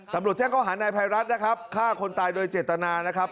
ตำรวจแจ้งข้อหานายภัยรัฐนะครับฆ่าคนตายโดยเจตนานะครับ